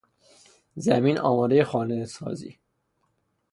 زمین آمادهی خانه سازی